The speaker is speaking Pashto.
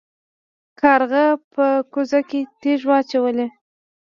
کارغه په کوزه کې تیږې واچولې.